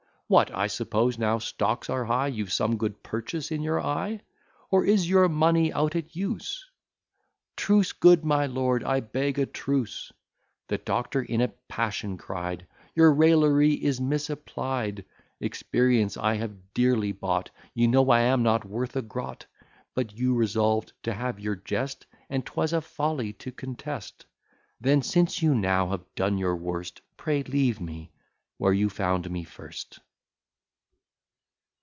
What! I suppose, now stocks are high, You've some good purchase in your eye? Or is your money out at use?" "Truce, good my lord, I beg a truce!" The doctor in a passion cry'd, "Your raillery is misapply'd; Experience I have dearly bought; You know I am not worth a groat: But you resolved to have your jest, And 'twas a folly to contest; Then, since you now have done your worst, Pray leave me where you found me first."